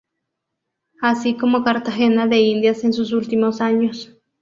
Así, como Cartagena de Indias en sus últimos años.